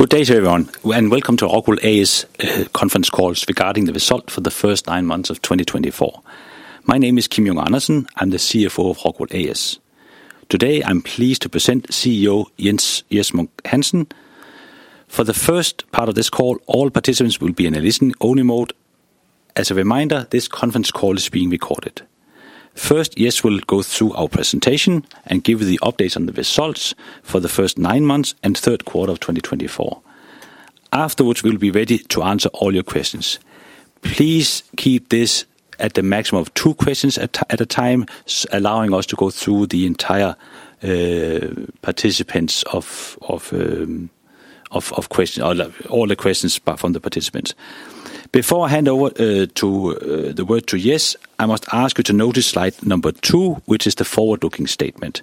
Good day, everyone, and welcome to Rockwool A/S' conference call regarding the results for the first nine months of 2024. My name is Kim Junge Andersen. I'm the CFO of Rockwool A/S. Today, I'm pleased to present CEO Jes Munk Hansen. For the first part of this call, all participants will be in a listening-only mode. As a reminder, this conference call is being recorded. First, Jes will go through our presentation and give you the updates on the results for the first nine months and third quarter of 2024. Afterwards, we'll be ready to answer all your questions. Please keep this at a maximum of two questions at a time, allowing us to go through all the questions from the participants. Before I hand over the word to Jes, I must ask you to notice slide number two, which is the forward-looking statement.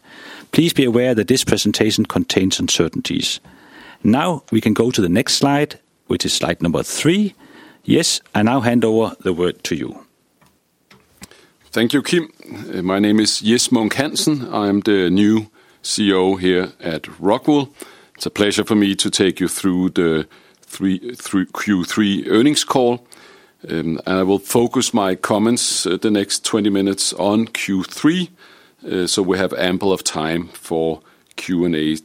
Please be aware that this presentation contains uncertainties. Now, we can go to the next slide, which is slide number three. Jes, I now hand over the word to you. Thank you, Kim. My name is Jes Munk Hansen. I'm the new CEO here at Rockwool. It's a pleasure for me to take you through the Q3 earnings call. I will focus my comments the next 20 minutes on Q3, so we have ample time for Q&A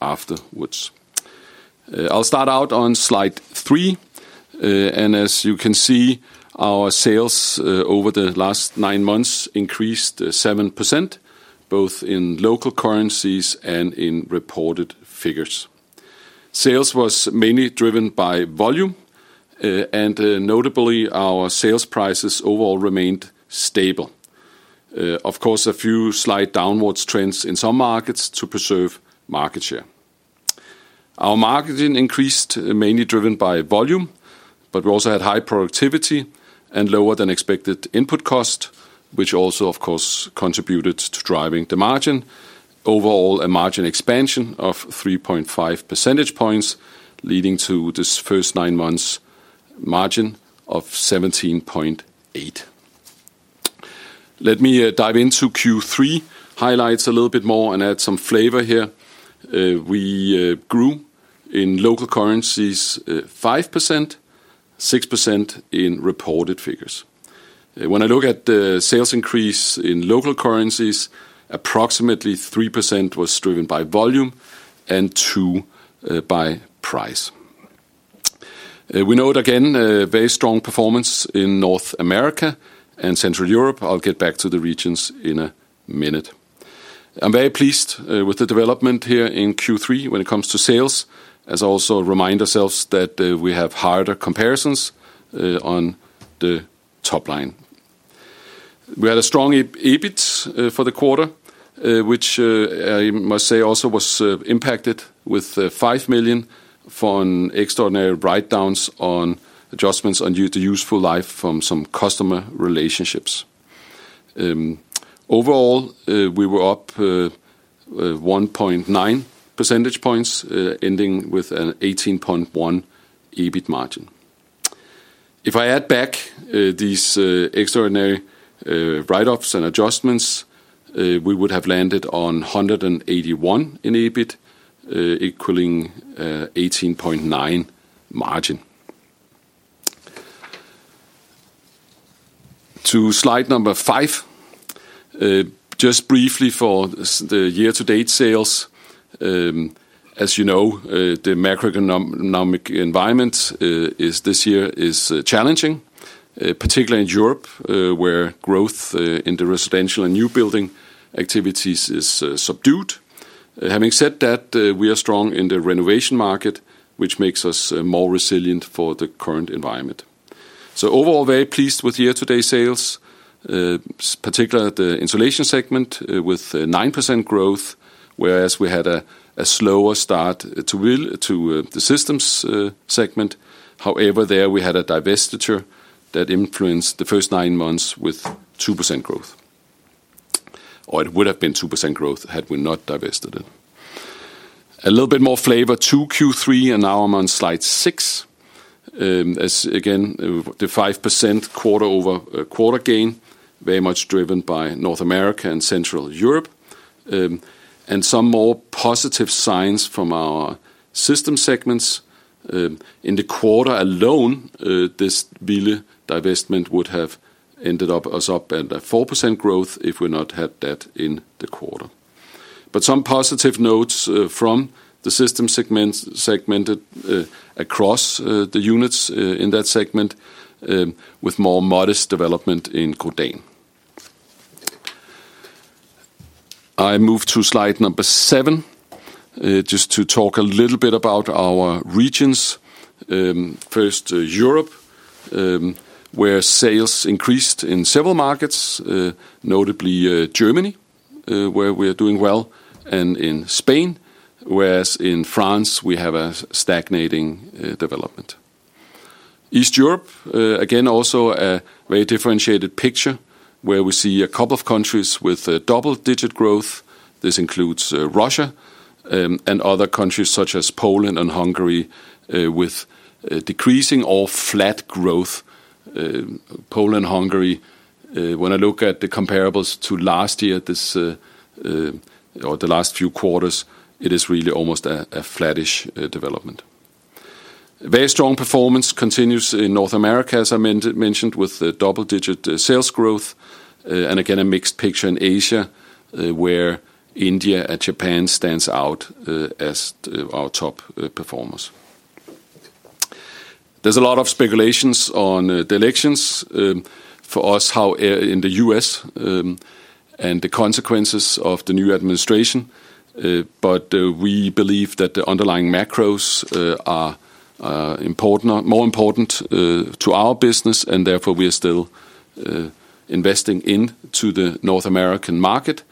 afterwards. I'll start out on slide three, and as you can see, our sales over the last nine months increased 7%, both in local currencies and in reported figures. Sales was mainly driven by volume, and notably, our sales prices overall remained stable. Of course, a few slight downward trends in some markets to preserve market share. Our margin increased mainly driven by volume, but we also had high productivity and lower than expected input cost, which also, of course, contributed to driving the margin. Overall, a margin expansion of 3.5 percentage points leading to this first nine months' margin of 17.8%. Let me dive into Q3 highlights a little bit more and add some flavor here. We grew in local currencies 5%, 6% in reported figures. When I look at the sales increase in local currencies, approximately 3% was driven by volume and 2% by price. We note, again, very strong performance in North America and Central Europe. I'll get back to the regions in a minute. I'm very pleased with the development here in Q3 when it comes to sales, as I also remind ourselves that we have harder comparisons on the top line. We had a strong EBIT for the quarter, which I must say also was impacted with 5 million for extraordinary write-downs on adjustments on the useful life from some customer relationships. Overall, we were up 1.9 percentage points, ending with an 18.1% EBIT margin. If I add back these extraordinary write-offs and adjustments, we would have landed on 181 in EBIT, equaling 18.9% margin. To slide number five, just briefly for the year-to-date sales. As you know, the macroeconomic environment this year is challenging, particularly in Europe, where growth in the residential and new building activities is subdued. Having said that, we are strong in the renovation market, which makes us more resilient for the current environment. So overall, very pleased with year-to-date sales, particularly the insulation segment with 9% growth, whereas we had a slower start to the systems segment. However, there we had a divestiture that influenced the first nine months with 2% growth. Or it would have been 2% growth had we not divested it. A little bit more flavor to Q3, and now I'm on slide six. Again, the 5% quarter-over-quarter gain, very much driven by North America and Central Europe, and some more positive signs from our system segments. In the quarter alone, this divestment would have ended up us up at 4% growth if we had not had that in the quarter. But some positive notes from the system segment across the units in that segment, with more modest development in Grodan. I move to slide number seven just to talk a little bit about our regions. First, Europe, where sales increased in several markets, notably Germany, where we are doing well, and in Spain, whereas in France, we have a stagnating development. East Europe, again, also a very differentiated picture, where we see a couple of countries with double-digit growth. This includes Russia and other countries such as Poland and Hungary with decreasing or flat growth. Poland and Hungary, when I look at the comparables to last year or the last few quarters, it is really almost a flattish development. Very strong performance continues in North America, as I mentioned, with double-digit sales growth. And again, a mixed picture in Asia, where India and Japan stand out as our top performers. There's a lot of speculations on the elections for us in the US and the consequences of the new administration. But we believe that the underlying macros are more important to our business, and therefore we are still investing into the North American market.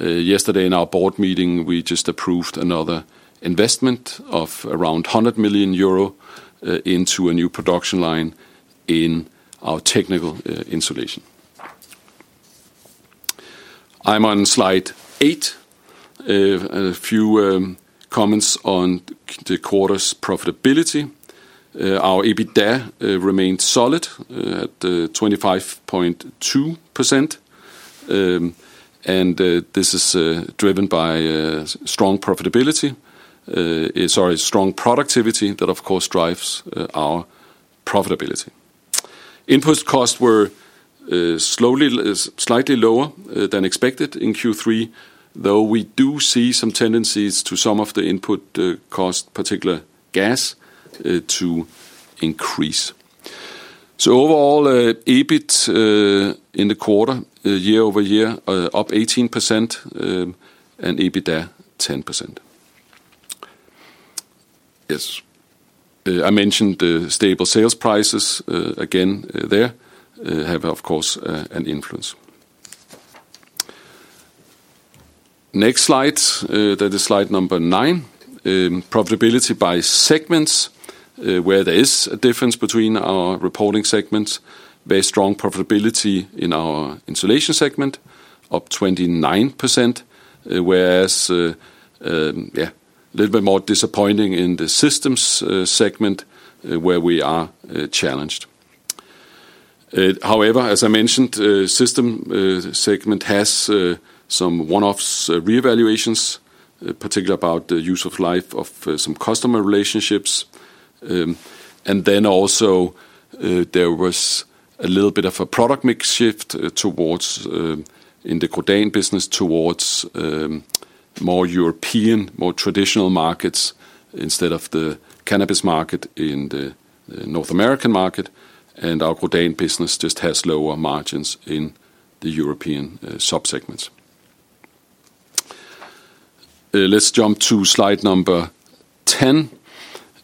Yesterday, in our board meeting, we just approved another investment of around 100 million euro into a new production line in our technical insulation. I'm on slide eight. A few comments on the quarter's profitability. Our EBITDA remained solid at 25.2%. This is driven by strong productivity that, of course, drives our profitability. Input costs were slightly lower than expected in Q3, though we do see some tendencies to some of the input cost, particularly gas, to increase. Overall, EBIT in the quarter, year-over-year, up 18%, and EBITDA 10%. Yes. I mentioned stable sales prices. Again, they have, of course, an influence. Next slide. That is slide number nine. Profitability by segments, where there is a difference between our reporting segments. Very strong profitability in our insulation segment, up 29%, whereas a little bit more disappointing in the systems segment, where we are challenged. However, as I mentioned, the system segment has some one-off reevaluations, particularly about the use of life of some customer relationships. And then also there was a little bit of a product mix shift in the Grodan business towards more European, more traditional markets instead of the cannabis market in the North American market. And our Grodan business just has lower margins in the European subsegments. Let's jump to slide number 10.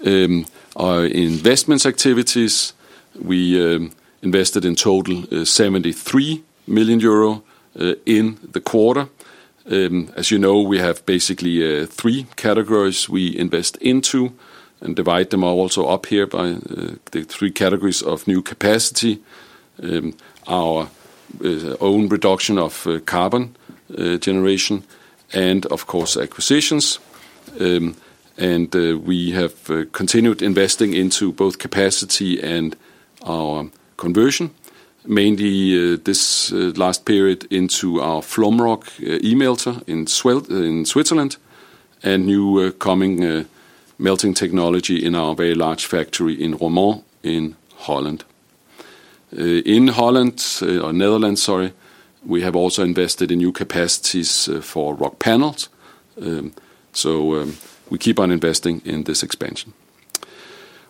Investment activities. We invested in total 73 million euro in the quarter. As you know, we have basically three categories we invest into. And divide them also up here by the three categories of new capacity, our own reduction of carbon generation, and of course, acquisitions. And we have continued investing into both capacity and our conversion, mainly this last period into our Flumroc e-melter in Switzerland and new coming melting technology in our very large factory in Roermond in Holland. In Holland, or Netherlands, sorry, we have also invested in new capacities for Rockpanel. So we keep on investing in this expansion.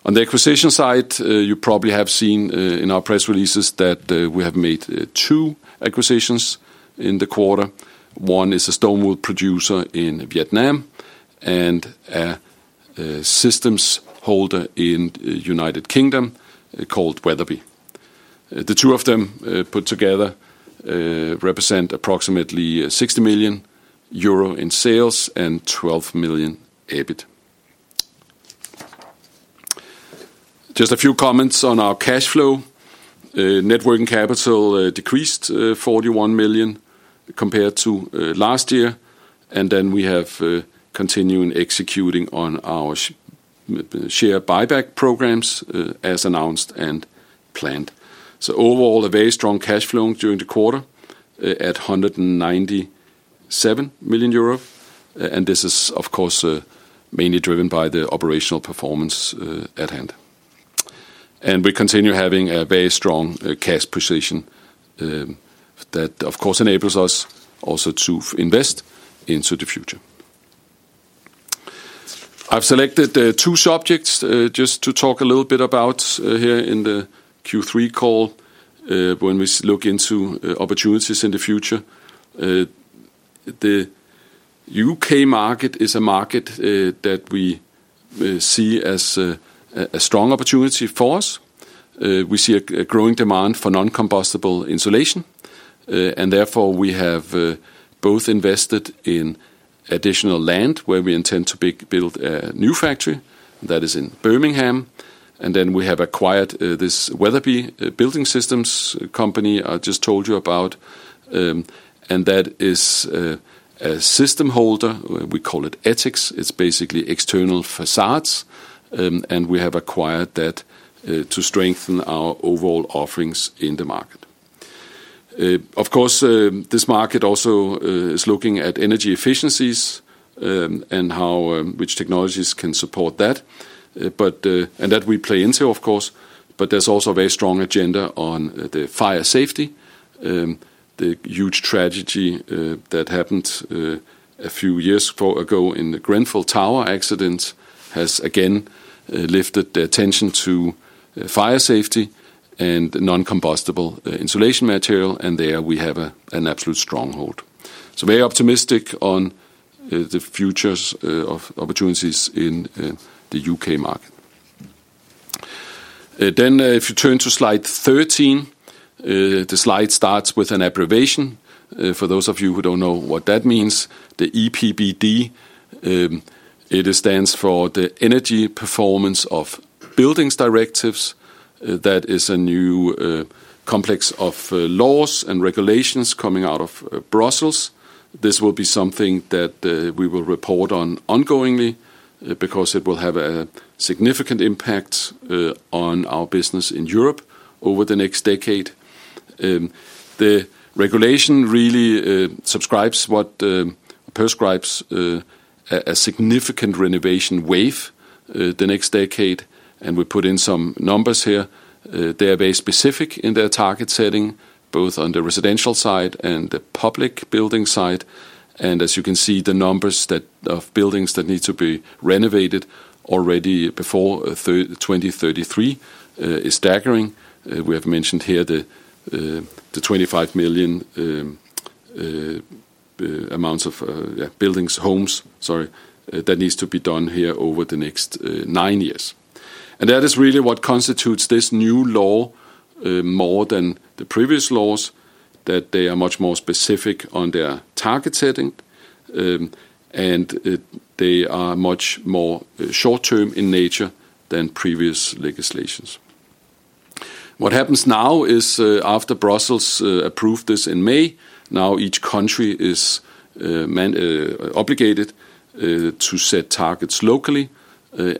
On the acquisition side, you probably have seen in our press releases that we have made two acquisitions in the quarter. One is a stone wool producer in Vietnam and a systems house in the United Kingdom called Wetherby. The two of them put together represent approximately 60 million euro in sales and 12 million EBIT. Just a few comments on our cash flow. Working capital decreased 41 million compared to last year. And then we have continued executing on our share buyback programs as announced and planned. So overall, a very strong cash flow during the quarter at 197 million euro. And this is, of course, mainly driven by the operational performance at hand. And we continue having a very strong cash position that, of course, enables us also to invest into the future. I've selected two subjects just to talk a little bit about here in the Q3 call when we look into opportunities in the future. The UK market is a market that we see as a strong opportunity for us. We see a growing demand for non-combustible insulation. And therefore, we have both invested in additional land where we intend to build a new factory that is in Birmingham. And then we have acquired this Wetherby Building Systems company I just told you about. And that is a system holder. We call it ETICS. It's basically external facades. And we have acquired that to strengthen our overall offerings in the market. Of course, this market also is looking at energy efficiencies and which technologies can support that. And that we play into, of course. But there's also a very strong agenda on the fire safety. The huge tragedy that happened a few years ago in the Grenfell Tower accident has again lifted the attention to fire safety and non-combustible insulation material. And there we have an absolute stronghold. So very optimistic on the future opportunities in the UK market. Then if you turn to slide 13, the slide starts with an abbreviation. For those of you who don't know what that means, the EPBD, it stands for the Energy Performance of Buildings Directives. That is a new complex of laws and regulations coming out of Brussels. This will be something that we will report on ongoingly because it will have a significant impact on our business in Europe over the next decade. The regulation really prescribes a significant renovation wave the next decade. And we put in some numbers here. They are very specific in their target setting, both on the residential side and the public building side. And as you can see, the numbers of buildings that need to be renovated already before 2033 is staggering. We have mentioned here the 25 million amounts of buildings, homes, sorry, that needs to be done here over the next nine years. And that is really what constitutes this new law more than the previous laws, that they are much more specific on their target setting. And they are much more short-term in nature than previous legislations. What happens now is after Brussels approved this in May, now each country is obligated to set targets locally.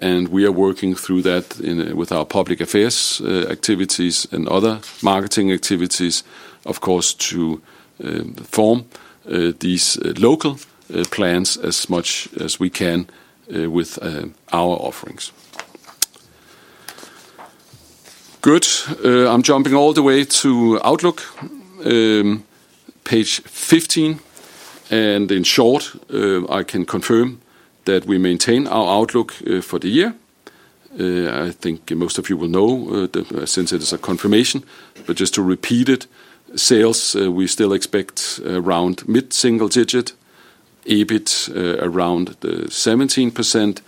And we are working through that with our public affairs activities and other marketing activities, of course, to form these local plans as much as we can with our offerings. Good. I'm jumping all the way to Outlook, page 15. In short, I can confirm that we maintain our Outlook for the year. I think most of you will know since it is a confirmation. Just to repeat it, sales we still expect around mid-single digit, EBIT around 17%,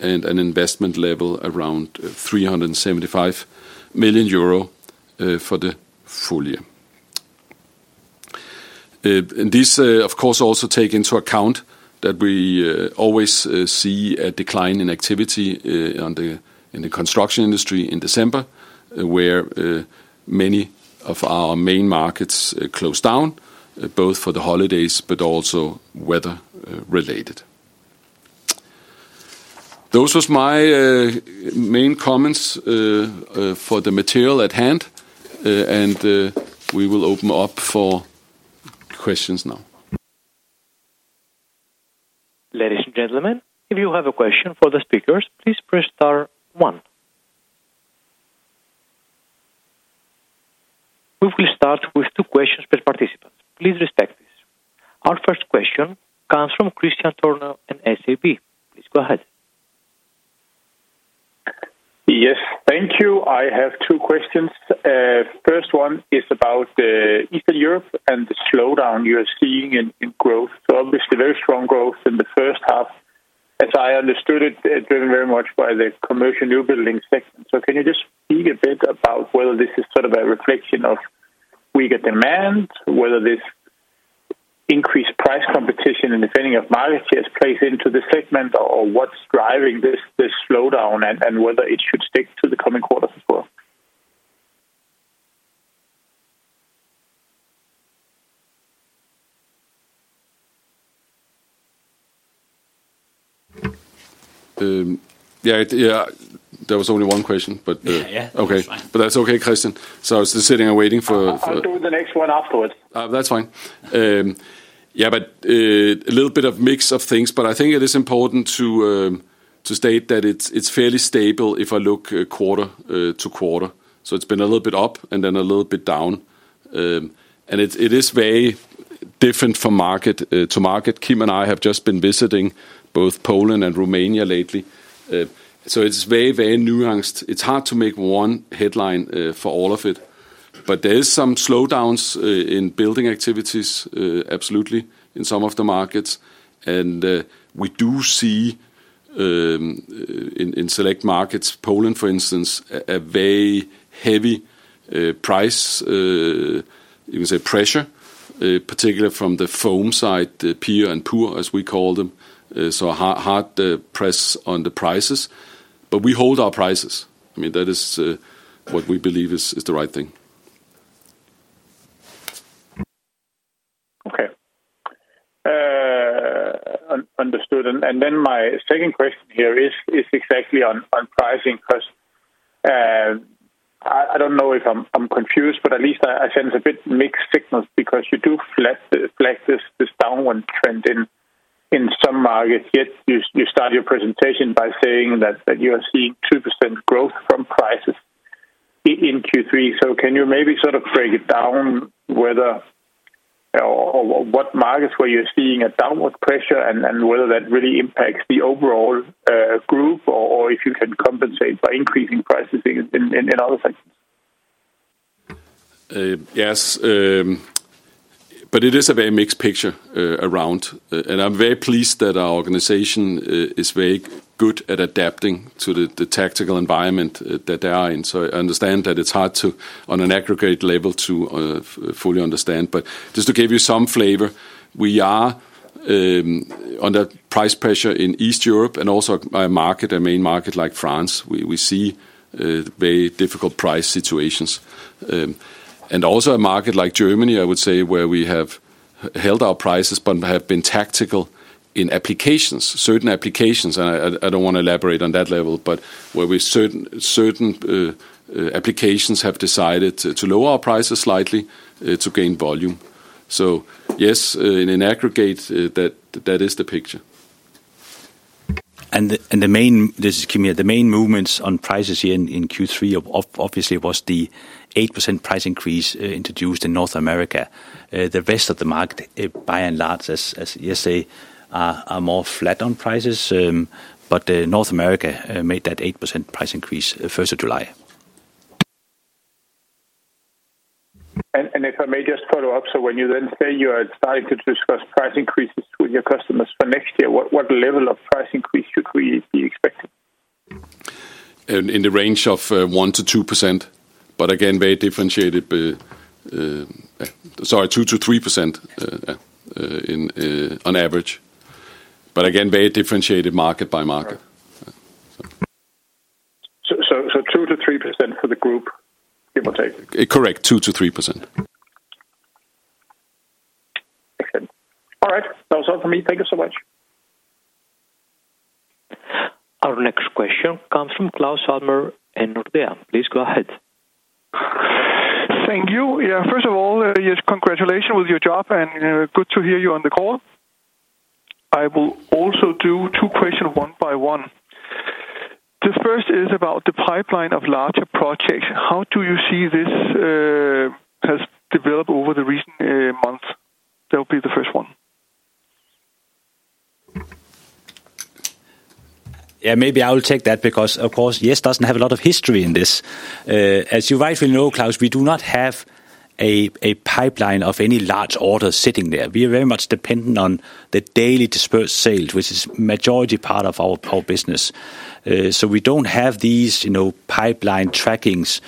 and an investment level around 375 million euro for the full year. These, of course, also take into account that we always see a decline in activity in the construction industry in December, where many of our main markets closed down, both for the holidays but also weather-related. Those were my main comments for the material at hand. We will open up for questions now. Ladies and gentlemen, if you have a question for the speakers, please press star one. We will start with two questions per participant. Please respect this. Our first question comes from Kristian Tornøe and SEB. Please go ahead. Yes. Thank you. I have two questions. First one is about Eastern Europe and the slowdown you are seeing in growth. So obviously, very strong growth in the first half. As I understood it, driven very much by the commercial new building segment. So can you just speak a bit about whether this is sort of a reflection of weaker demand, whether this increased price competition in the defending of market shares plays into the segment, or what's driving this slowdown, and whether it should stick to the coming quarters as well? Yeah. There was only one question, but. Yeah. Yeah. That's fine. But that's okay, Kristian. So I was just sitting and waiting for. I'll do the next one afterwards. That's fine. Yeah. But a little bit of mix of things. But I think it is important to state that it's fairly stable if I look quarter to quarter. So it's been a little bit up and then a little bit down. And it is very different from market to market. Kim and I have just been visiting both Poland and Romania lately. So it's very, very nuanced. It's hard to make one headline for all of it. But there are some slowdowns in building activities, absolutely, in some of the markets. And we do see in select markets, Poland, for instance, a very heavy price, you can say, pressure, particularly from the foam side, the PIR and PUR, as we call them. So hard press on the prices. But we hold our prices. I mean, that is what we believe is the right thing. Okay. Understood. My second question here is exactly on pricing because I don't know if I'm confused, but at least I sense a bit mixed signals because you do flag this downward trend in some markets. Yet you start your presentation by saying that you are seeing 2% growth from prices in Q3. So can you maybe sort of break it down, whether or what markets where you're seeing a downward pressure and whether that really impacts the overall group or if you can compensate by increasing prices in other sectors? Yes, but it is a very mixed picture around. I'm very pleased that our organization is very good at adapting to the tactical environment that they are in. I understand that it's hard on an aggregate level to fully understand. But just to give you some flavor, we are under price pressure in East Europe and also a market, a main market like France. We see very difficult price situations. And also a market like Germany, I would say, where we have held our prices but have been tactical in applications, certain applications. And I don't want to elaborate on that level, but where certain applications have decided to lower our prices slightly to gain volume. So yes, in aggregate, that is the picture. And the main, this is Kim here, the main movements on prices here in Q3 obviously was the 8% price increase introduced in North America. The rest of the market, by and large, as you say, are more flat on prices. But North America made that 8% price increase first of July. And if I may just follow up. So when you then say you are starting to discuss price increases with your customers for next year, what level of price increase should we be expecting? In the range of 1%-2%. But again, very differentiated. Sorry, 2%-3% on average. But again, very differentiated market by market. So 2%-3% for the group, give or take? Correct. 2%-3%. Excellent. All right. That was all for me. Thank you so much. Our next question comes from Claus Almer and Nordea. Please go ahead. Thank you. Yeah. First of all, yes, congratulations with your job and good to hear you on the call. I will also do two questions one by one. The first is about the pipeline of larger projects. How do you see this has developed over the recent months? That will be the first one. Yeah. Maybe I will take that because, of course, yes, it doesn't have a lot of history in this. As you rightfully know, Claus, we do not have a pipeline of any large orders sitting there. We are very much dependent on the daily dispersed sales, which is the majority part of our business. So we don't have these pipeline trackings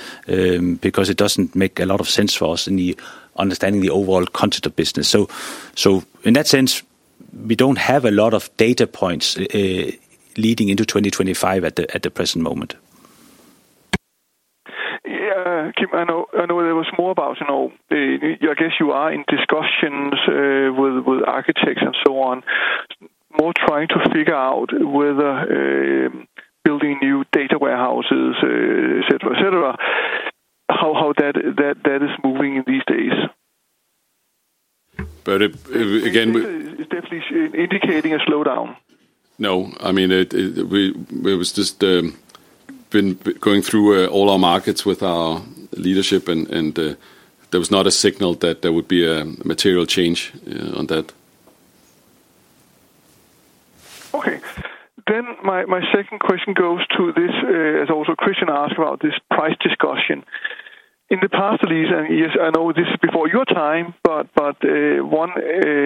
because it doesn't make a lot of sense for us in understanding the overall concept of business. So in that sense, we don't have a lot of data points leading into 2025 at the present moment. Yeah. Kim, I know there was more about, I guess you are in discussions with architects and so on, more trying to figure out whether building new data warehouses, etc., etc., how that is moving in these days. But again, it is definitely indicating a slowdown. No. I mean, we've just been going through all our markets with our leadership, and there was not a signal that there would be a material change on that. Okay. Then my second question goes to this, as also Kristian asked about this price discussion. In the past, at least, and yes, I know this is before your time, but one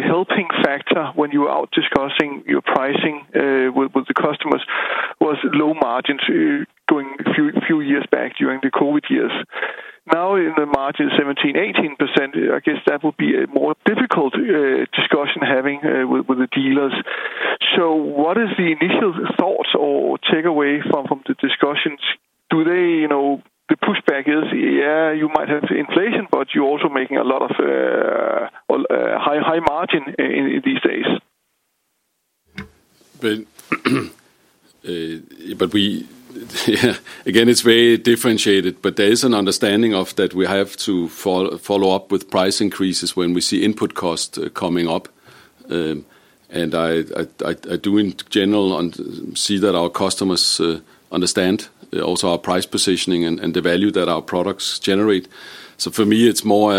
helping factor when you were out discussing your pricing with the customers was low margins going a few years back during the COVID years. Now, in the margin of 17%-18%, I guess that would be a more difficult discussion having with the dealers. So what is the initial thought or takeaway from the discussions? Do they know the pushback is, yeah, you might have inflation, but you're also making a lot of high margin in these days? But again, it's very differentiated. But there is an understanding of that we have to follow up with price increases when we see input costs coming up. And I do, in general, see that our customers understand also our price positioning and the value that our products generate. So for me, it's more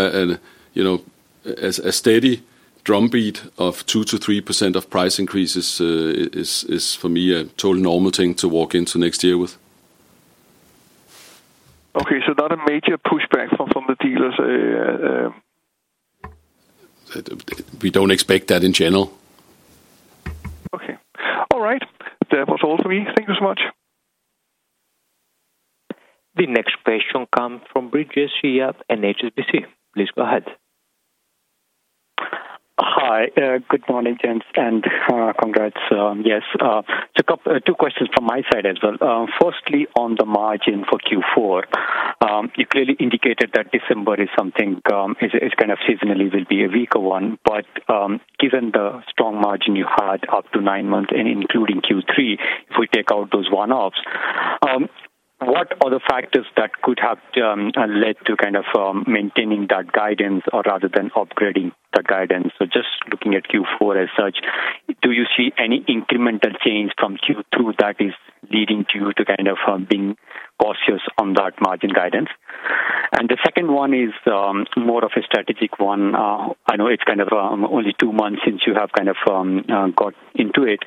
a steady drumbeat of 2%-3% of price increases is, for me, a total normal thing to walk into next year with. Okay. So not a major pushback from the dealers? We don't expect that in general. Okay. All right. That was all for me. Thank you so much. The next question comes from Brijesh Siya and HSBC. Please go ahead. Hi. Good morning, Jes, and congrats. Yes. Two questions from my side as well. Firstly, on the margin for Q4, you clearly indicated that December is something kind of seasonally will be a weaker one. But given the strong margin you had up to nine months and including Q3, if we take out those one-offs, what are the factors that could have led to kind of maintaining that guidance or rather than upgrading the guidance? So just looking at Q4 as such, do you see any incremental change from Q2 that is leading to you to kind of being cautious on that margin guidance? And the second one is more of a strategic one. I know it's kind of only two months since you have kind of got into it.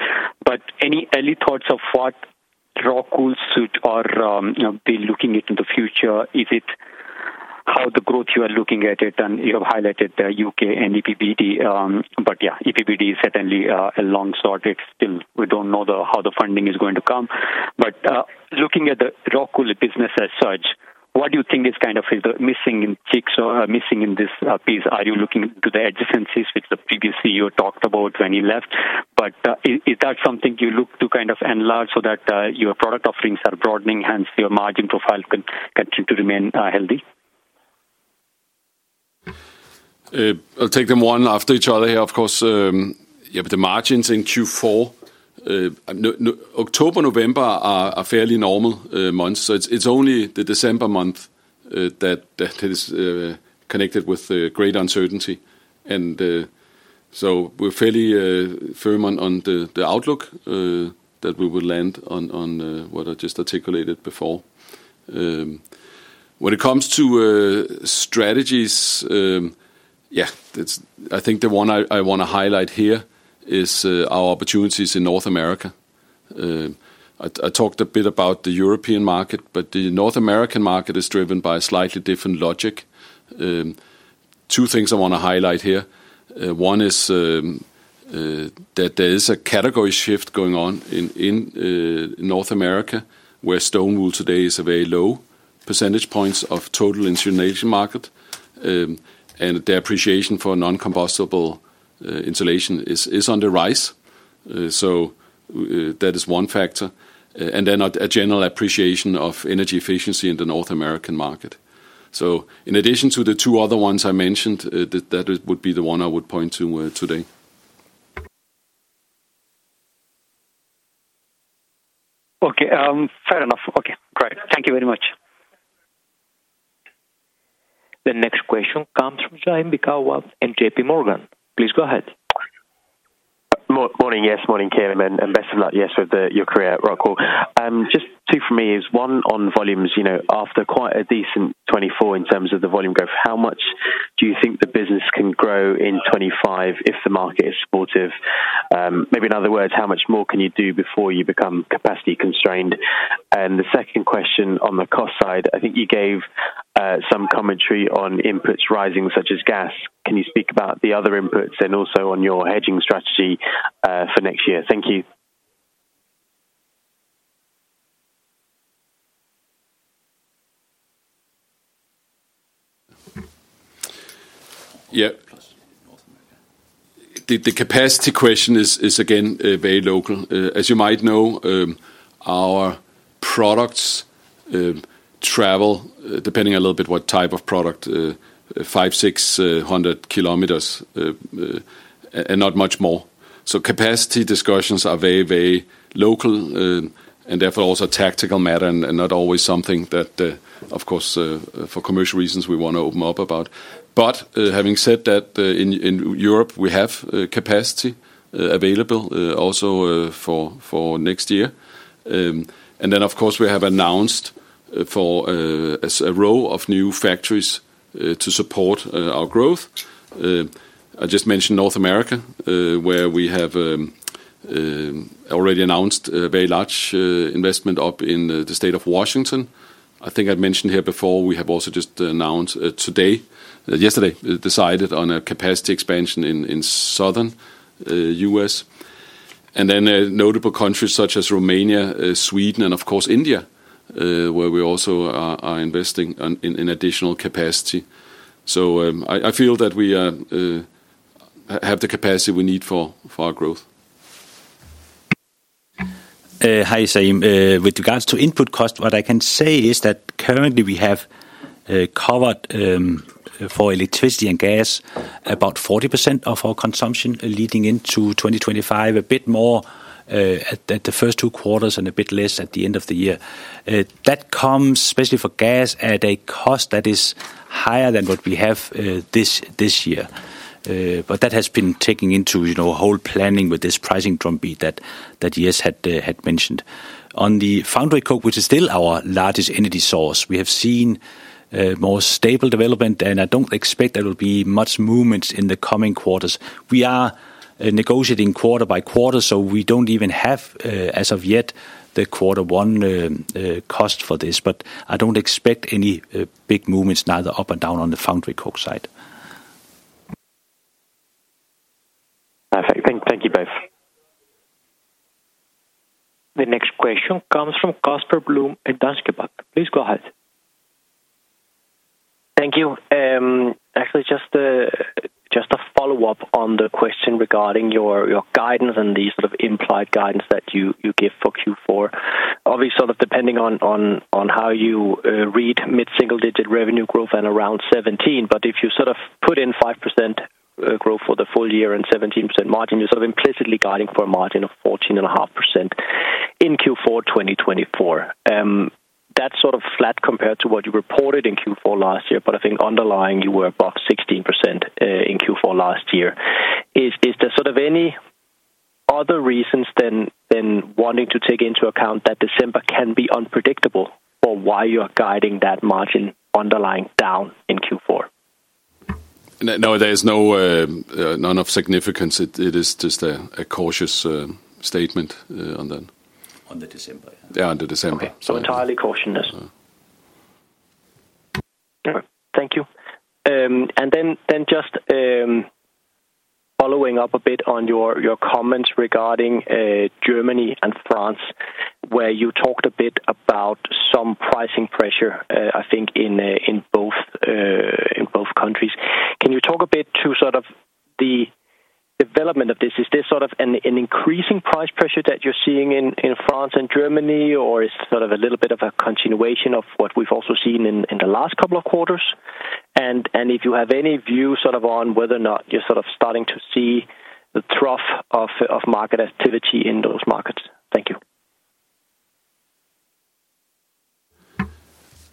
But any early thoughts of what Rockwool should or be looking at in the future? Is it how the growth you are looking at it? And you have highlighted the U.K. and EPBD. But yeah, EPBD is certainly a long shot. We don't know how the funding is going to come. But looking at the Rockwool business as such, what do you think is kind of missing in this piece? Are you looking to the adjacencies which the previous CEO talked about when he left? But is that something you look to kind of enlarge so that your product offerings are broadening, hence your margin profile can continue to remain healthy? I'll take them one after each other here, of course. Yeah, the margins in Q4, October, November are fairly normal months. So it's only the December month that is connected with great uncertainty. And so we're fairly firm on the outlook that we will land on what I just articulated before. When it comes to strategies, yeah, I think the one I want to highlight here is our opportunities in North America. I talked a bit about the European market, but the North American market is driven by a slightly different logic. Two things I want to highlight here. One is that there is a category shift going on in North America where stone wool today is a very low percentage points of total insulation market. And the appreciation for non-combustible insulation is on the rise. So that is one factor. And then a general appreciation of energy efficiency in the North American market. So in addition to the two other ones I mentioned, that would be the one I would point to today. Okay. Fair enough. Okay. Great. Thank you very much. The next question comes from Zaim Beekawa and JPMorgan. Please go ahead. Morning. Yes. Morning, Kim. And best of luck, yes, with your career, Rockwool. Just two for me is one on volumes. After quite a decent 2024 in terms of the volume growth, how much do you think the business can grow in 2025 if the market is supportive? Maybe in other words, how much more can you do before you become capacity constrained? And the second question on the cost side, I think you gave some commentary on inputs rising such as gas. Can you speak about the other inputs and also on your hedging strategy for next year? Thank you. Yeah. The capacity question is, again, very local. As you might know, our products travel, depending a little bit what type of product, 500-600 km and not much more. So capacity discussions are very, very local and therefore also a tactical matter and not always something that, of course, for commercial reasons, we want to open up about. But having said that, in Europe, we have capacity available also for next year. And then, of course, we have announced for a row of new factories to support our growth. I just mentioned North America, where we have already announced a very large investment up in the state of Washington. I think I'd mentioned here before, we have also just announced today, yesterday, decided on a capacity expansion in southern U.S. And then notable countries such as Romania, Sweden, and of course, India, where we also are investing in additional capacity. So I feel that we have the capacity we need for our growth. Hi, Zaim. With regards to input costs, what I can say is that currently we have covered for electricity and gas about 40% of our consumption leading into 2025, a bit more at the first two quarters and a bit less at the end of the year. That comes, especially for gas, at a cost that is higher than what we have this year. But that has been taken into whole planning with this pricing drumbeat that Jes had mentioned. On the foundry coke, which is still our largest energy source, we have seen more stable development, and I don't expect there will be much movements in the coming quarters. We are negotiating quarter by quarter, so we don't even have, as of yet, the quarter one cost for this. But I don't expect any big movements neither up or down on the foundry coke side. Perfect. Thank you both. The next question comes from Casper Blom at Danske Bank. Please go ahead. Thank you. Actually, just a follow-up on the question regarding your guidance and the sort of implied guidance that you give for Q4. Obviously, sort of depending on how you read mid-single-digit revenue growth and around 17%, but if you sort of put in 5% growth for the full year and 17% margin, you're sort of implicitly guiding for a margin of 14.5% in Q4 2024. That's sort of flat compared to what you reported in Q4 last year, but I think underlying you were about 16% in Q4 last year. Is there sort of any other reasons than wanting to take into account that December can be unpredictable for why you're guiding that margin underlying down in Q4? No, there's none of significance. It is just a cautious statement on that. On the December, yeah. Yeah, on the December. So entirely cautious. Thank you. And then just following up a bit on your comments regarding Germany and France, where you talked a bit about some pricing pressure, I think, in both countries. Can you talk a bit to sort of the development of this? Is this sort of an increasing price pressure that you're seeing in France and Germany, or is it sort of a little bit of a continuation of what we've also seen in the last couple of quarters? And if you have any views sort of on whether or not you're sort of starting to see the trough of market activity in those markets? Thank you.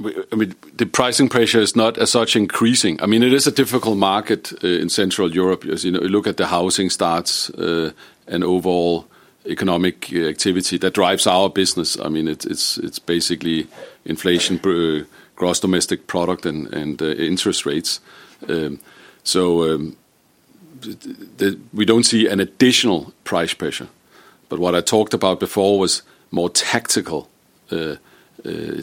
The pricing pressure is not as such increasing. I mean, it is a difficult market in Central Europe. As you look at the housing starts and overall economic activity that drives our business, I mean, it's basically inflation, gross domestic product, and interest rates. So we don't see an additional price pressure. But what I talked about before was more tactical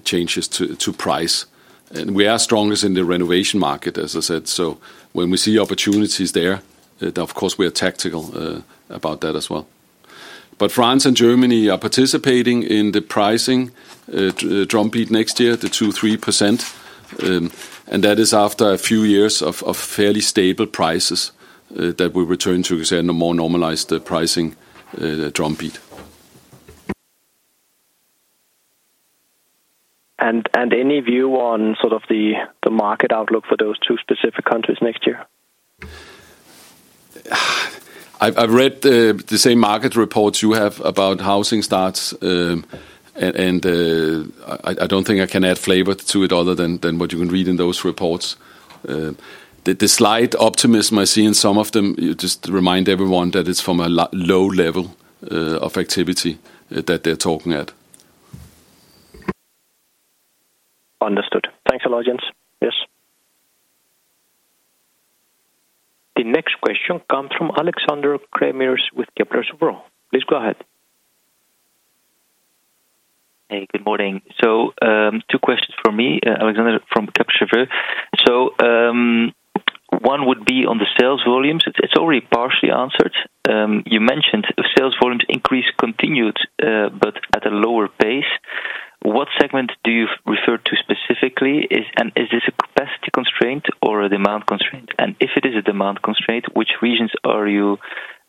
changes to price. And we are strongest in the renovation market, as I said. So when we see opportunities there, of course, we are tactical about that as well. But France and Germany are participating in the pricing drumbeat next year, the 2-3%. And that is after a few years of fairly stable prices that will return to a more normalized pricing drumbeat. And any view on sort of the market outlook for those two specific countries next year? I've read the same market reports you have about housing starts, and I don't think I can add flavor to it other than what you can read in those reports. The slight optimism I see in some of them just reminds everyone that it's from a low level of activity that they're talking at. Understood. Thanks a lot, Jes. Yes. The next question comes from Alexander Craeymeersch with Kepler Cheuvreux. Please go ahead. Hey, good morning. So two questions for me, Alexander from Kepler Cheuvreux. So one would be on the sales volumes. It's already partially answered. You mentioned sales volumes increase continued, but at a lower pace. What segment do you refer to specifically? And is this a capacity constraint or a demand constraint? And if it is a demand constraint, which regions are you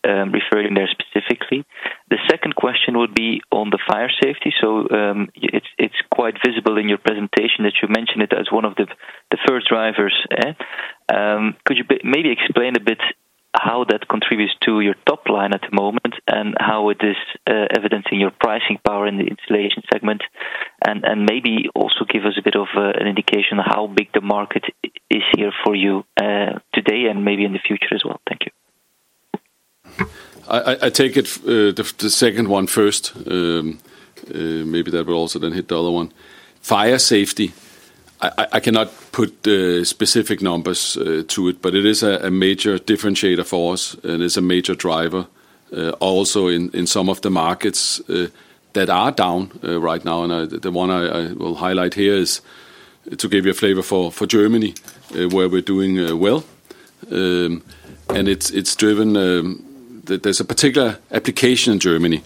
referring there specifically? The second question would be on the fire safety. So it's quite visible in your presentation that you mentioned it as one of the first drivers. Could you maybe explain a bit how that contributes to your top line at the moment and how it is evidencing your pricing power in the insulation segment? And maybe also give us a bit of an indication of how big the market is here for you today and maybe in the future as well. Thank you. I take the second one first. Maybe that will also then hit the other one. Fire safety, I cannot put specific numbers to it, but it is a major differentiator for us. It is a major driver also in some of the markets that are down right now. And the one I will highlight here is, to give you a flavor for Germany, where we're doing well. And it's driven that there's a particular application in Germany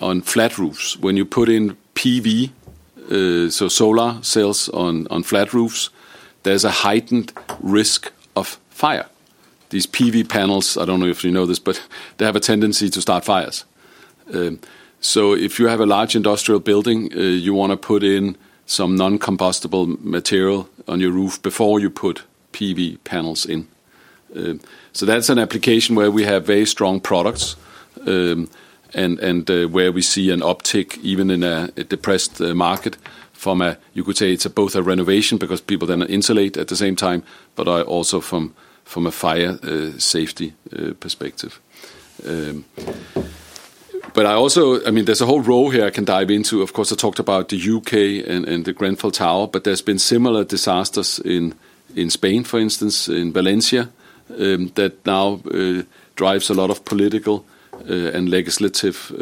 on flat roofs. When you put in PV, so solar cells on flat roofs, there's a heightened risk of fire. These PV panels, I don't know if you know this, but they have a tendency to start fires. So if you have a large industrial building, you want to put in some non-combustible material on your roof before you put PV panels in. So that's an application where we have very strong products and where we see an uptick even in a depressed market from a, you could say it's both a renovation because people then insulate at the same time, but also from a fire safety perspective. But I also, I mean, there's a whole row here I can dive into. Of course, I talked about the U.K. and the Grenfell Tower, but there's been similar disasters in Spain, for instance, in Valencia that now drives a lot of political and legislative,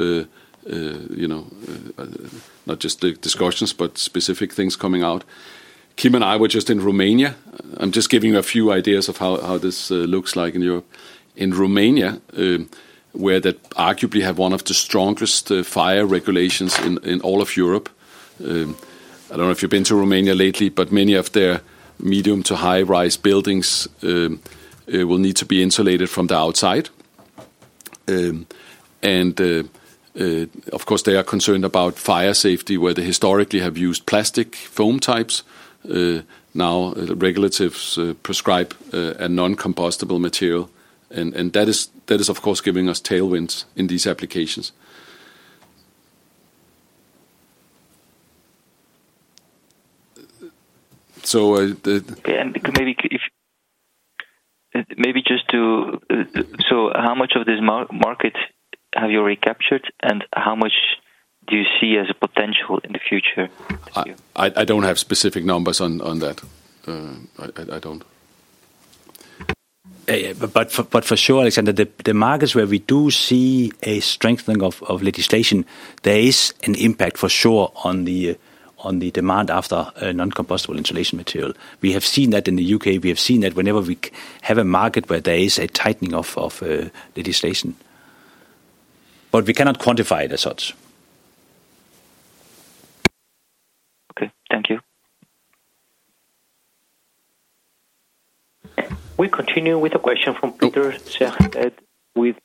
not just discussions, but specific things coming out. Kim and I were just in Romania. I'm just giving you a few ideas of how this looks like in Europe. In Romania, where that arguably have one of the strongest fire regulations in all of Europe. I don't know if you've been to Romania lately, but many of their medium to high-rise buildings will need to be insulated from the outside. And of course, they are concerned about fire safety, where they historically have used plastic foam types. Now, regulations prescribe a non-combustible material. And that is, of course, giving us tailwinds in these applications. So. Maybe just to, so how much of this market have you already captured, and how much do you see as a potential in the future? I don't have specific numbers on that. I don't. But for sure, Alexander, the markets where we do see a strengthening of legislation, there is an impact for sure on the demand for non-combustible insulation material. We have seen that in the UK. We have seen that whenever we have a market where there is a tightening of legislation. But we cannot quantify it as such. Okay. Thank you. We continue with a question from Peter with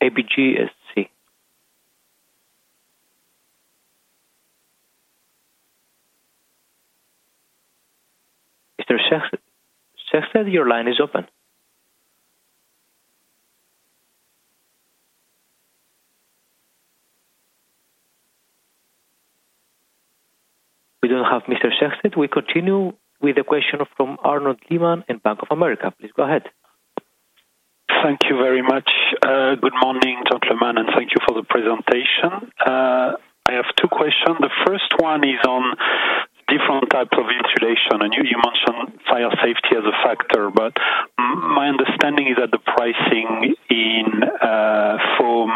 ABGSC. Mr. Sehested, your line is open. We don't have Mr. Sehested. We continue with a question from Arnaud Lehmann and Bank of America. Please go ahead. Thank you very much. Good morning, Dr. Lehmann, and thank you for the presentation. I have two questions. The first one is on different types of insulation. And you mentioned fire safety as a factor, but my understanding is that the pricing in foam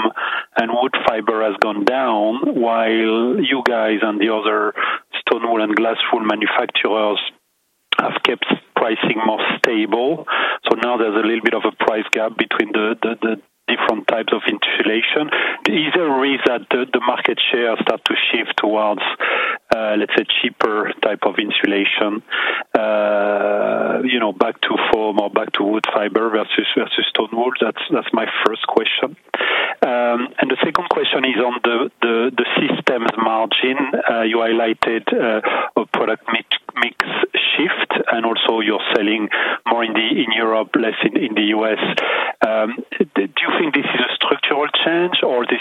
and wood fiber has gone down, while you guys and the other stone wool and glass wool manufacturers have kept pricing more stable. So now there's a little bit of a price gap between the different types of insulation. Is there a risk that the market share starts to shift towards, let's say, cheaper type of insulation back to foam or back to wood fiber versus stone wool? That's my first question. And the second question is on the systems margin. You highlighted a product mix shift and also you're selling more in Europe, less in the U.S. Do you think this is a structural change, or this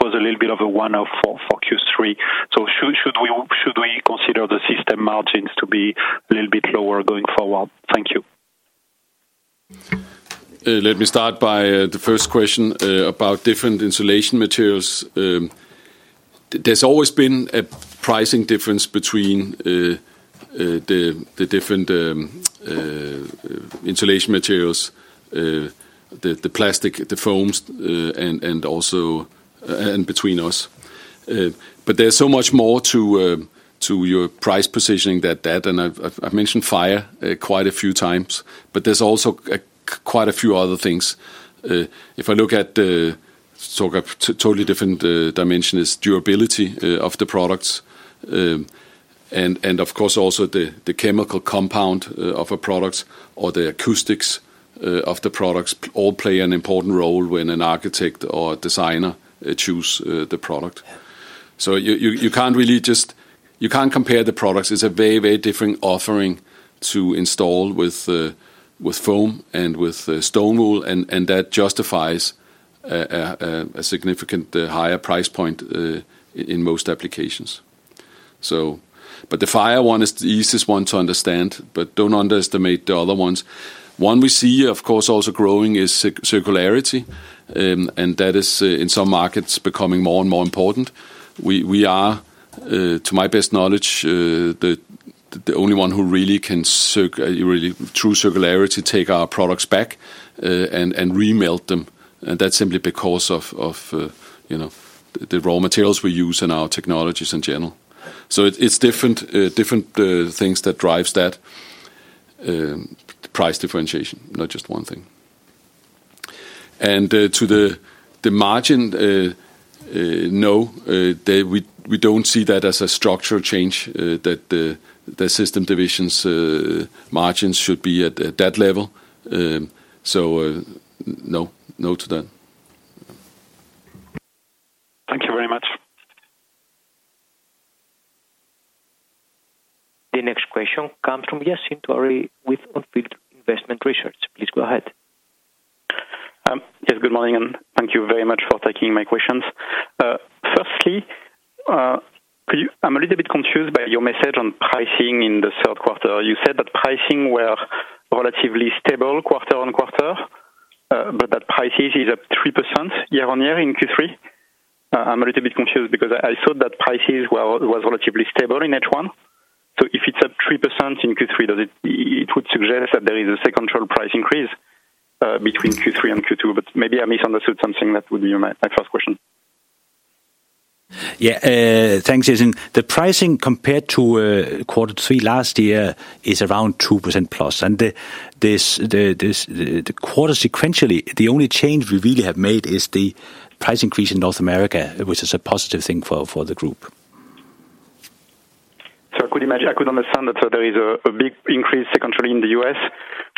was a little bit of a one-off for Q3? So should we consider the system margins to be a little bit lower going forward? Thank you. Let me start by the first question about different insulation materials. There's always been a pricing difference between the different insulation materials, the plastic, the foams, and between us. But there's so much more to your price positioning than that. And I've mentioned fire quite a few times, but there's also quite a few other things. If I look at sort of totally different dimensions, it's durability of the products. And of course, also the chemical compound of a product or the acoustics of the products all play an important role when an architect or designer choose the product. So you can't really just, you can't compare the products. It's a very, very different offering to install with foam and with stone wool, and that justifies a significant higher price point in most applications. But the fire one is the easiest one to understand, but don't underestimate the other ones. One we see, of course, also growing is circularity, and that is in some markets becoming more and more important. We are, to my best knowledge, the only one who really can true circularity take our products back and remelt them. And that's simply because of the raw materials we use and our technologies in general. So it's different things that drive that price differentiation, not just one thing. And to the margin, no, we don't see that as a structural change that the system divisions margins should be at that level. So no, no to that. Thank you very much. The next question comes from Yassine Touahri with On Field Investment Research. Please go ahead. Yes, good morning, and thank you very much for taking my questions. Firstly, I'm a little bit confused by your message on pricing in the third quarter. You said that pricing were relatively stable quarter on quarter, but that prices is up 3% year on year in Q3. I'm a little bit confused because I thought that prices were relatively stable in H1. So if it's up 3% in Q3, it would suggest that there is a secondary price increase between Q3 and Q2. But maybe I misunderstood something. That would be my first question. Yeah, thanks, Yassine. The pricing compared to quarter three last year is around 2% plus. And the quarter sequentially, the only change we really have made is the price increase in North America, which is a positive thing for the group. So I could understand that there is a big increase sequentially in the US,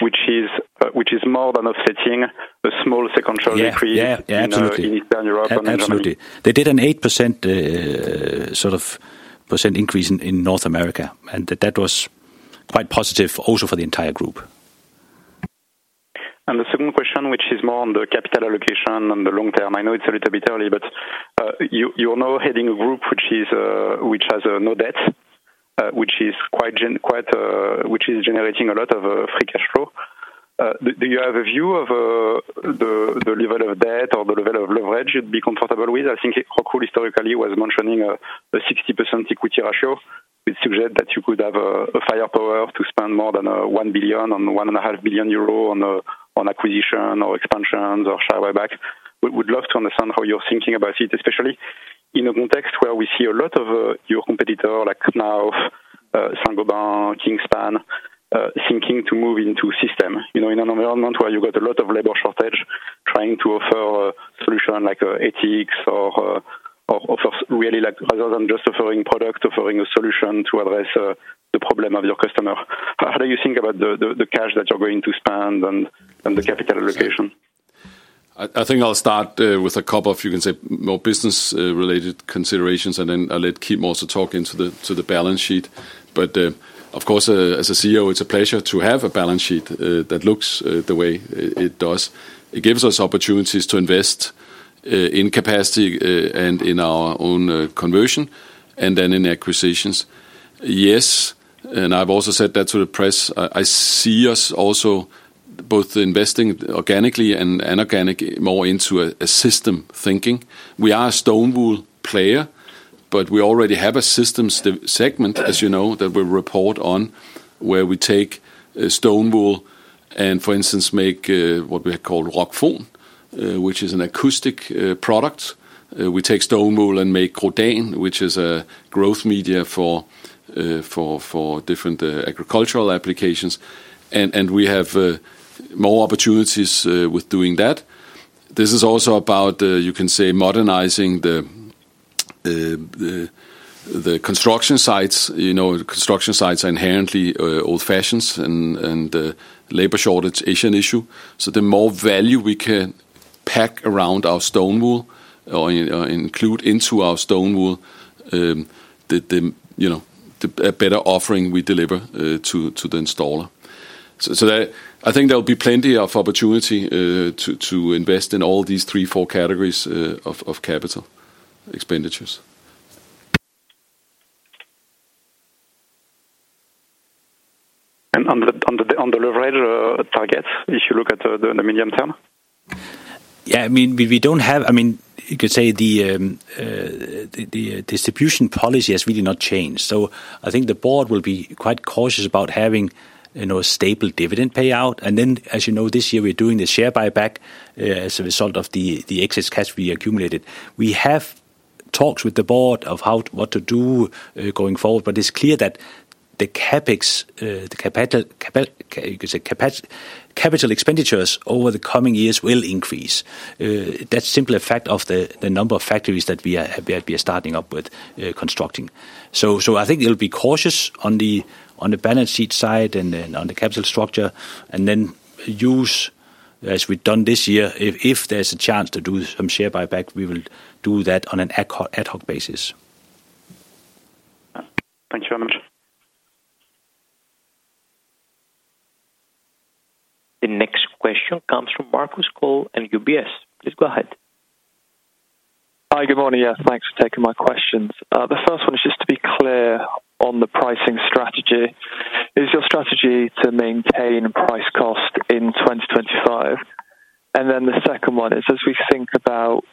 which is more than offsetting a small sequentially increase in Eastern Europe. Absolutely. They did an 8% sort of percent increase in North America, and that was quite positive also for the entire group. And the second question, which is more on the capital allocation and the long term, I know it's a little bit early, but you are now heading a group which has no debt, which is generating a lot of free cash flow. Do you have a view of the level of debt or the level of leverage you'd be comfortable with? I think Rockwool historically was mentioning a 60% equity ratio. It suggests that you could have firepower to spend more than 1 billion and 1.5 billion euro on acquisitions or expansions or share buybacks. We'd love to understand how you're thinking about it, especially in a context where we see a lot of your competitors like Knauf, Saint-Gobain, Kingspan, thinking to move into systems. In an environment where you've got a lot of labor shortage, trying to offer a solution like ETICS or offers really other than just offering product, offering a solution to address the problem of your customer. How do you think about the cash that you're going to spend and the capital allocation? I think I'll start with a couple of, you can say, more business-related considerations, and then I'll let Kim also talk into the balance sheet. But of course, as a CEO, it's a pleasure to have a balance sheet that looks the way it does. It gives us opportunities to invest in capacity and in our own conversion and then in acquisitions. Yes, and I've also said that to the press. I see us also both investing organically and inorganically more into a systems thinking. We are a stone wool player, but we already have a systems segment, as you know, that we report on, where we take stone wool and, for instance, make what we call Rockfon, which is an acoustic product. We take stone wool and make Grodan, which is a growth media for different agricultural applications. And we have more opportunities with doing that. This is also about, you can say, modernizing the construction sites. Construction sites are inherently old-fashioned and a labor shortage issue. So the more value we can pack around our stone wool or include into our stone wool, the better offering we deliver to the installer. So I think there will be plenty of opportunity to invest in all these three, four categories of capital expenditures. And on the leverage targets, if you look at the medium term? Yeah, I mean, we don't have, I mean, you could say the distribution policy has really not changed. So I think the board will be quite cautious about having a stable dividend payout. And then, as you know, this year we're doing the share buyback as a result of the excess cash we accumulated. We have talks with the board of what to do going forward, but it's clear that the capital, you could say, capital expenditures over the coming years will increase. That's simply a fact of the number of factories that we are starting up with constructing. So I think it'll be cautious on the balance sheet side and on the capital structure. And then use, as we've done this year, if there's a chance to do some share buyback, we will do that on an ad hoc basis. Thank you very much. The next question comes from Marcus Cole and UBS. Please go ahead. Hi, good morning. Yeah, thanks for taking my questions. The first one is just to be clear on the pricing strategy. Is your strategy to maintain price cost in 2025? And then the second one is, as we think about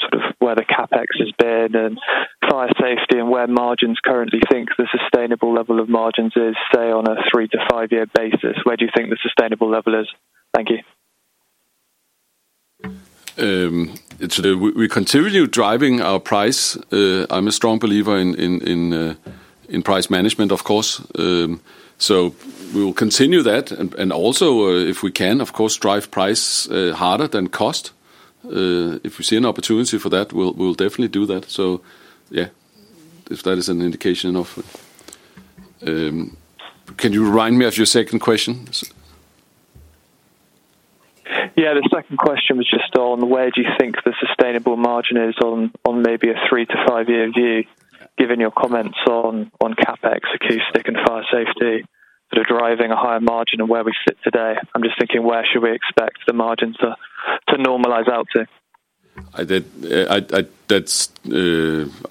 sort of where the CapEx has been and fire safety and where margins currently think the sustainable level of margins is, say, on a three- to five-year basis, where do you think the sustainable level is? Thank you. We continue driving our price. I'm a strong believer in price management, of course. So we will continue that. And also, if we can, of course, drive price harder than cost. If we see an opportunity for that, we'll definitely do that. So yeah, if that is an indication of can you remind me of your second question? Yeah, the second question was just on where do you think the sustainable margin is on maybe a three- to five-year view, given your comments on CapEx, acoustic, and fire safety that are driving a higher margin and where we sit today. I'm just thinking, where should we expect the margin to normalize out to?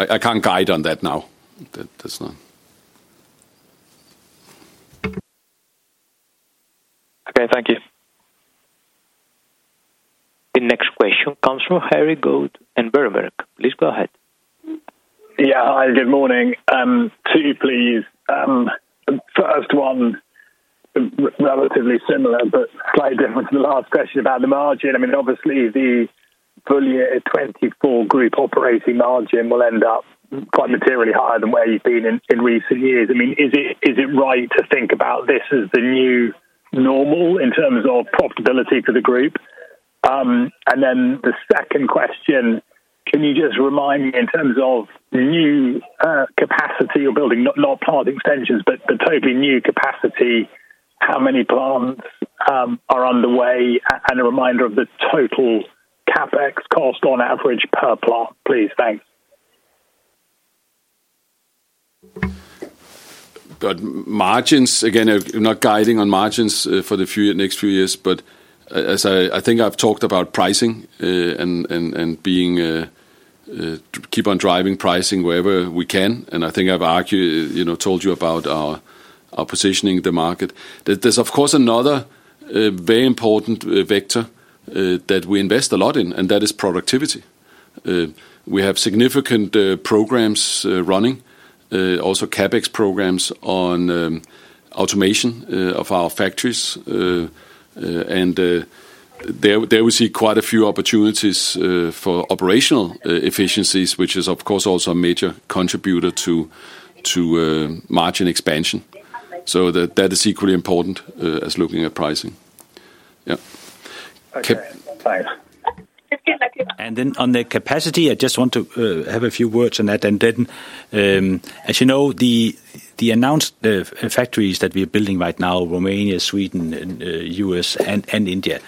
I can't guide on that now. Okay, thank you. The next question comes from Harry Goad and Berenberg. Please go ahead. Yeah, hi, good morning. Two, please. First one, relatively similar, but slightly different from the last question about the margin. I mean, obviously, the full year 2024 group operating margin will end up quite materially higher than where you've been in recent years. I mean, is it right to think about this as the new normal in terms of profitability for the group? And then the second question, can you just remind me in terms of new capacity or building, not plant extensions, but totally new capacity, how many plants are underway? And a reminder of the total CapEx cost on average per plant, please. Thanks. Margins, again, I'm not guiding on margins for the next few years, but I think I've talked about pricing and keep on driving pricing wherever we can. And I think I've told you about our positioning in the market. There's, of course, another very important vector that we invest a lot in, and that is productivity. We have significant programs running, also CapEx programs on automation of our factories. And there we see quite a few opportunities for operational efficiencies, which is, of course, also a major contributor to margin expansion. So that is equally important as looking at pricing. Yeah. Then on the capacity, I just want to have a few words on that. As you know, the announced factories that we are building right now, Romania, Sweden, U.S., and India,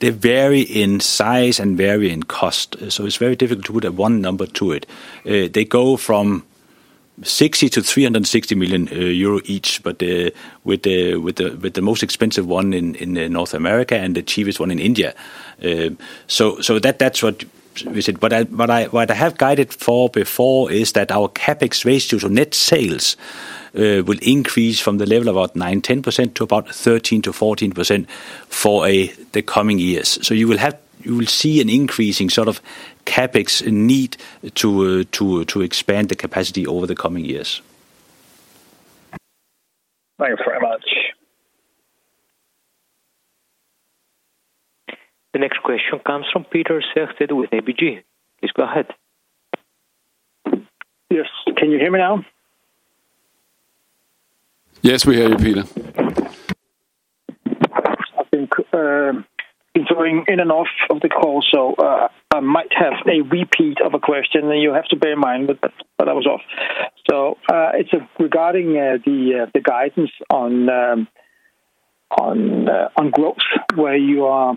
they vary in size and vary in cost. So it's very difficult to put one number to it. They go from 60-360 million euro each, but with the most expensive one in North America and the cheapest one in India. So that's what we said. What I have guided for before is that our CapEx ratio, so net sales, will increase from the level of about 9-10% to about 13-14% for the coming years. So you will see an increasing sort of CapEx need to expand the capacity over the coming years. Thanks very much. The next question comes from Peter Sehested with ABG. Please go ahead. Yes, can you hear me now? Yes, we hear you, Peter. I've been going in and off of the call, so I might have a repeat of a question, and you have to bear in mind that I was off. So it's regarding the guidance on growth, where you are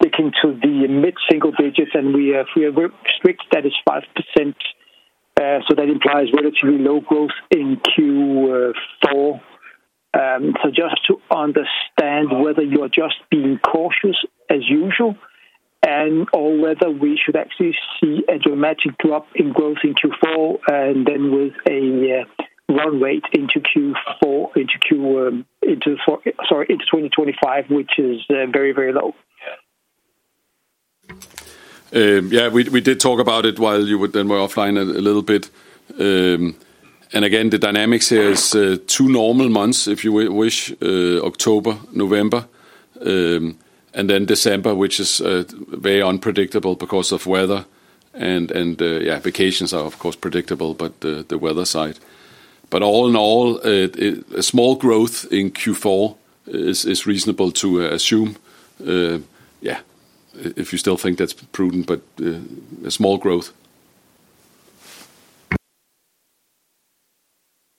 sticking to the mid-single digits, and we have strict status 5%. So that implies relatively low growth in Q4. So just to understand whether you are just being cautious as usual and/or whether we should actually see a dramatic drop in growth in Q4 and then with a run rate into Q4, into Q4, sorry, into 2025, which is very, very low. Yeah, we did talk about it while you were offline a little bit. And again, the dynamics here is two normal months, if you wish, October, November, and then December, which is very unpredictable because of weather. Yeah, vacations are, of course, predictable, but the weather side. But all in all, a small growth in Q4 is reasonable to assume. Yeah, if you still think that's prudent, but a small growth.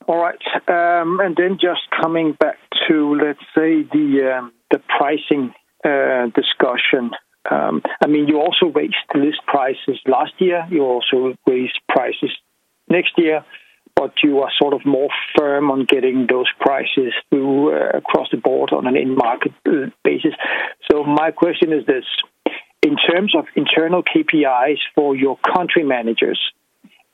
All right. And then just coming back to, let's say, the pricing discussion. I mean, you also raised list prices last year. You also raised prices next year, but you are sort of more firm on getting those prices across the board on an in-market basis. So my question is this: In terms of internal KPIs for your country managers,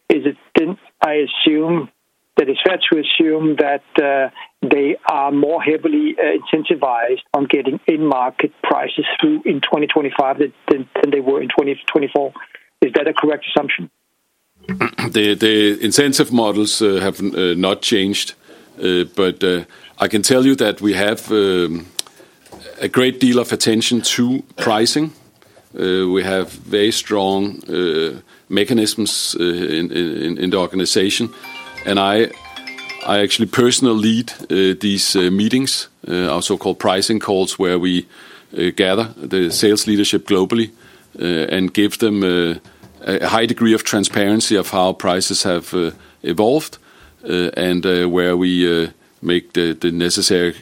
is it, I assume, that it's fair to assume that they are more heavily incentivized on getting in-market prices through in 2025 than they were in 2024? Is that a correct assumption? The incentive models have not changed, but I can tell you that we have a great deal of attention to pricing. We have very strong mechanisms in the organization, and I actually personally lead these meetings, our so-called pricing calls, where we gather the sales leadership globally and give them a high degree of transparency of how prices have evolved and where we make the necessary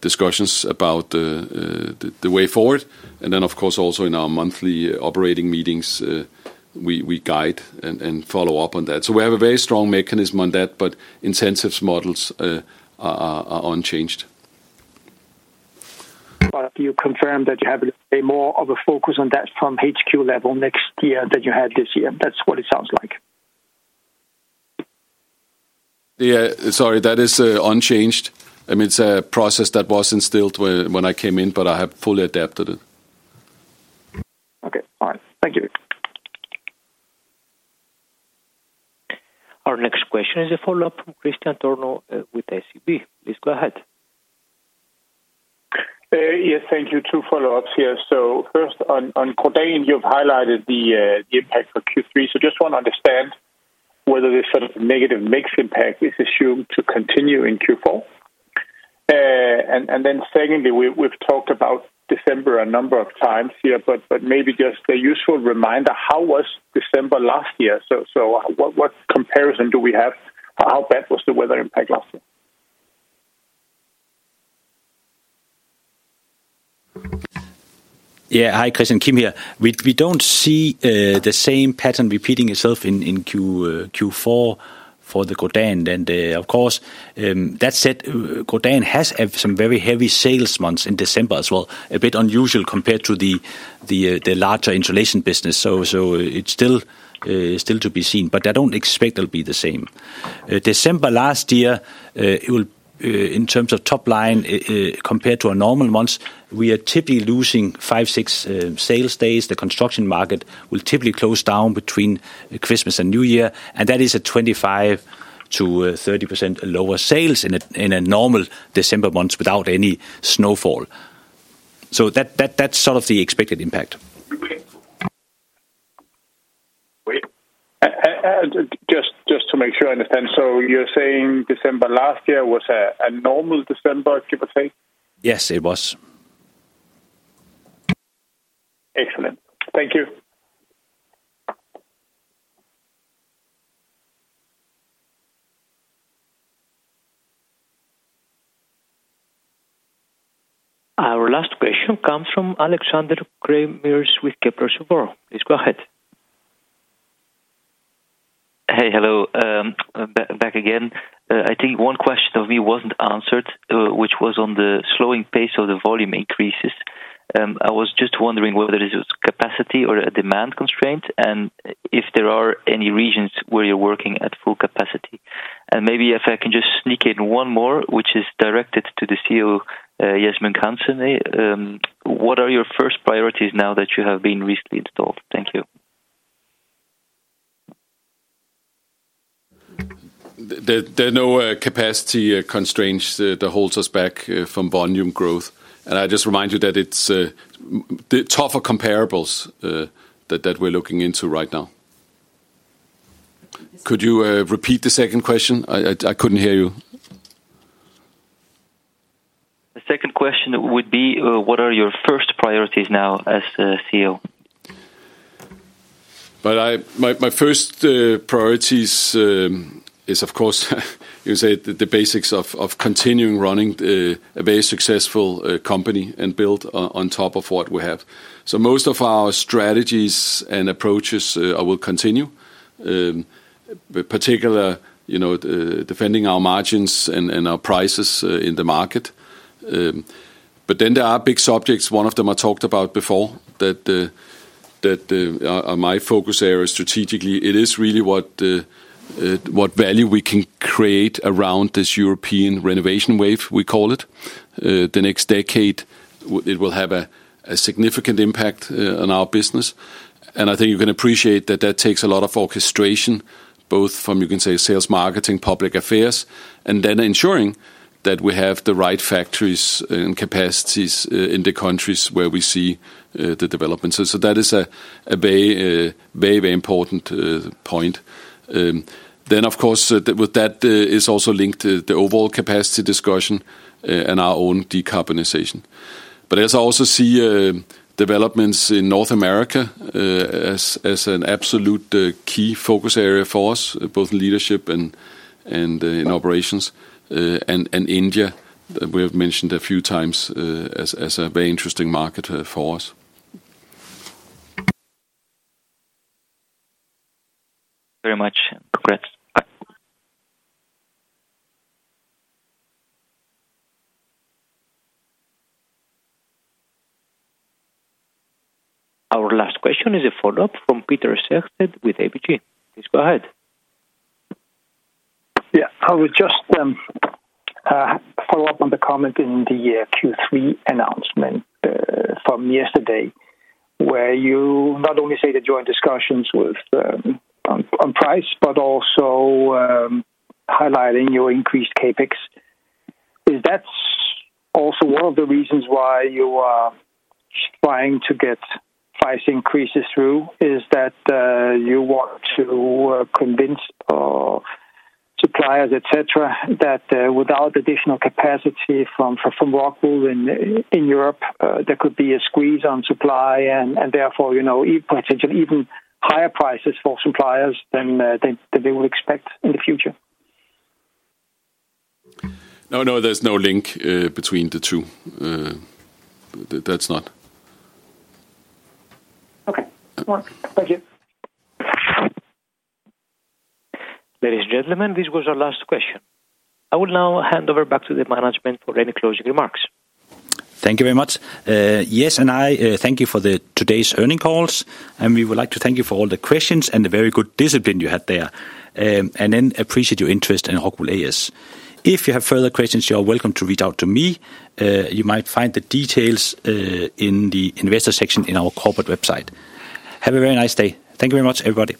discussions about the way forward, and then, of course, also in our monthly operating meetings, we guide and follow up on that, so we have a very strong mechanism on that, but incentives models are unchanged, but you confirmed that you have a more of a focus on that from HQ level next year than you had this year. That's what it sounds like. Yeah, sorry, that is unchanged. I mean, it's a process that was instilled when I came in, but I have fully adapted it. Okay. All right. Thank you. Our next question is a follow-up from Kristian Tornøe Johansen with SEB. Please go ahead. Yes, thank you. Two follow-ups here. So first, on Grodan, you've highlighted the impact for Q3. So just want to understand whether this sort of negative mix impact is assumed to continue in Q4. And then secondly, we've talked about December a number of times here, but maybe just a useful reminder: how was December last year? So what comparison do we have? How bad was the weather impact last year? Yeah, hi, Kristian, Kim here. We don't see the same pattern repeating itself in Q4 for the Grodan. And of course, that said, Grodan has some very heavy sales months in December as well, a bit unusual compared to the larger insulation business. So it's still to be seen, but I don't expect it will be the same. December last year, in terms of top line compared to our normal months, we are typically losing five, six sales days. The construction market will typically close down between Christmas and New Year. And that is a 25%-30% lower sales in a normal December months without any snowfall. So that's sort of the expected impact. Just to make sure I understand, so you're saying December last year was a normal December, give or take? Yes, it was. Excellent. Thank you. Our last question comes from Alexander Craeymeersch with Kepler Cheuvreux. Please go ahead. Hey, hello. Back again. I think one question of me wasn't answered, which was on the slowing pace of the volume increases. I was just wondering whether it was capacity or a demand constraint and if there are any regions where you're working at full capacity. Maybe if I can just sneak in one more, which is directed to the CEO, Jes Munk Hansen, what are your first priorities now that you have been recently installed? Thank you. There are no capacity constraints that hold us back from volume growth. I just remind you that it's tougher comparables that we're looking into right now. Could you repeat the second question? I couldn't hear you. The second question would be, what are your first priorities now as CEO? Well, my first priorities is, of course, you say the basics of continuing running a very successful company and build on top of what we have. So most of our strategies and approaches will continue, particularly defending our margins and our prices in the market. But then there are big subjects. One of them I talked about before that my focus area strategically, it is really what value we can create around this European Renovation Wave, we call it. The next decade, it will have a significant impact on our business. And I think you can appreciate that that takes a lot of orchestration, both from, you can say, sales, marketing, public affairs, and then ensuring that we have the right factories and capacities in the countries where we see the development. So that is a very, very important point. Then, of course, with that is also linked to the overall capacity discussion and our own decarbonization. But as I also see developments in North America as an absolute key focus area for us, both in leadership and in operations, and India, we have mentioned a few times as a very interesting market for us. Very much. Congrats. Our last question is a follow-up from Peter Sehested with ABG. Please go ahead. Yeah, I would just follow up on the comment in the Q3 announcement from yesterday, where you not only say the joint discussions on price, but also highlighting your increased CapEx. Is that also one of the reasons why you are trying to get price increases through? Is that you want to convince suppliers, etc., that without additional capacity from Rockwool in Europe, there could be a squeeze on supply and therefore potentially even higher prices for suppliers than they would expect in the future? No, no, there's no link between the two. That's not. Ladies and gentlemen, this was our last question. I will now hand over back to the management for any closing remarks. Thank you very much. Yes, and I thank you for today's earnings call. We would like to thank you for all the questions and the very good discipline you had there. Then appreciate your interest in Rockwool A/S. If you have further questions, you are welcome to reach out to me. You might find the details in the investor section in our corporate website. Have a very nice day. Thank you very much, everybody.